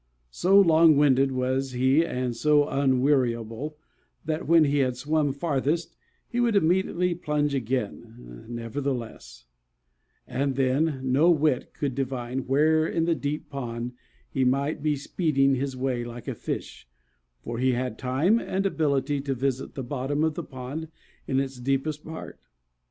So long winded was he and so unweariable, that when he had swum farthest he would immediately plunge again, nevertheless; and then no wit could divine where in the deep pond he might be speeding his way like a fish, for he had time and ability to visit the bottom of the pond in its deepest part.